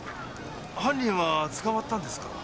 犯人は捕まったんですか？